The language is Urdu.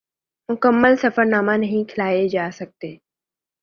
مکمل سفر نامے نہیں کھلائے جا سکتے